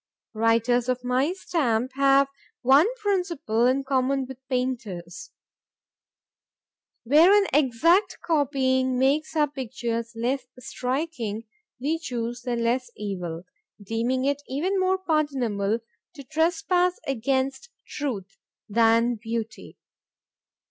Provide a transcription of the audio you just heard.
——Writers of my stamp have one principle in common with painters. Where an exact copying makes our pictures less striking, we choose the less evil; deeming it even more pardonable to trespass against truth, than beauty.